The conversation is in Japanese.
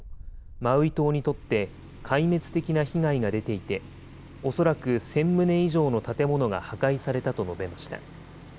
マウイ島にとって壊滅的な被害が出ていて、おそらく１０００棟以上の建物が破壊されたと述べました。